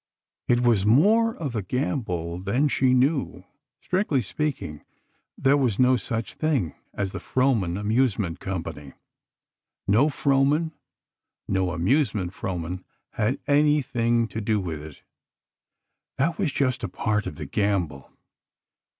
It was more of a "gamble" than she knew. Strictly speaking, there was no such thing as the "Frohman Amusement Company." No Frohman—no amusement Frohman—had anything to do with it. That was just a part of the gamble.